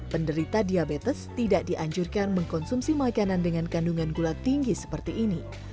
penderita diabetes tidak dianjurkan mengkonsumsi makanan dengan kandungan gula tinggi seperti ini